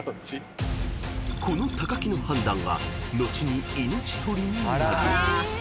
［この木の判断が後に命取りになる］